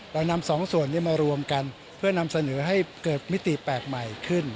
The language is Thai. เรานำสองส่วนนี้มารวมกันเพื่อนำเสนอให้เกิดมิติแปลกใหม่ขึ้น